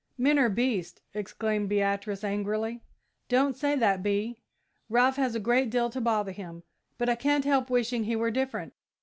"Men are beasts!" exclaimed Beatrice, angrily. "Don't say that, Bee! Ralph has a great deal to bother him, but I can't help wishing he were different.